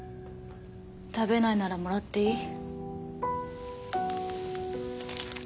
食べないならもらっていい？